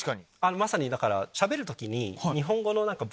まさにだからしゃべる時に。